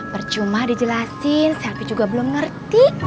bercuma dijelasin selvi juga belum ngerti